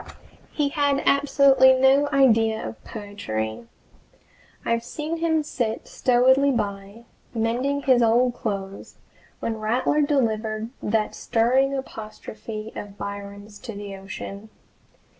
He had absolutely no idea of poetry. I've seen him sit stolidly by, mending his old clothes, when Rattler delivered that stirring apostrophe of Byron's to the ocean.